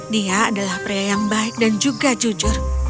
dia adalah pria yang baik dan juga jujur